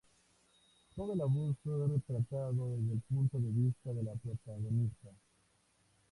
Todo el abuso es retratado desde el punto de vista de la protagonista.